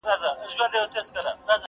ازل مي دي په وینو کي نغمې راته کرلي؛